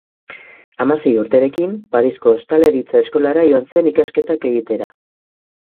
Hamasei urterekin, Parisko Ostalaritza Eskolara joan zen ikasketak egitera.